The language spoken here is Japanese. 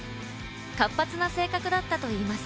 活発な性格だったといいます。